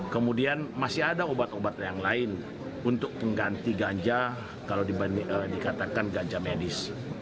kemudian masih ada obat obat yang lain untuk pengganti ganja kalau dikatakan ganja medis